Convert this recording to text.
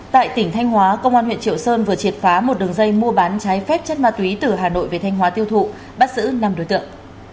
tại tỉnh thanh hóa công an huyện triệu sơn vừa triệt phá một đường dây mua bán trái phép chất ma túy từ hà nội về thanh hóa tiêu thụ bắt giữ năm đối tượng